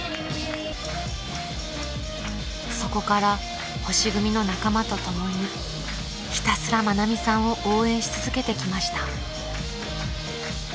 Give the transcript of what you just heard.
［そこから星組の仲間と共にひたすら愛美さんを応援し続けてきました］